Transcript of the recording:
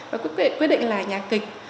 và quyết định là nhà kịch